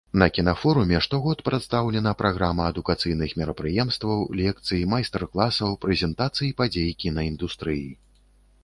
На кінафоруме штогод прадстаўлена праграма адукацыйных мерапрыемстваў, лекцый, майстар-класаў, прэзентацый падзей кінаіндустрыі.